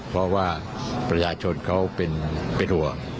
เพราะว่าประชาชนเขาเป็นห่วง